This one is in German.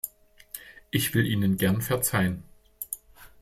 Ich will Ihnen gern verzeihen!